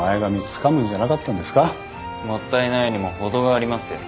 もったいないにも程がありますよ。